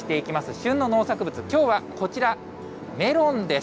旬の農作物、きょうはこちら、メロンです。